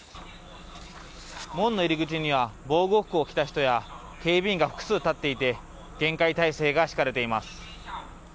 門の入り口には防護服を着た人や、警備員が複数立っていて、厳戒態勢が敷かれています。